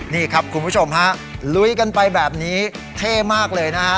นี่ครับคุณผู้ชมฮะลุยกันไปแบบนี้เท่มากเลยนะฮะ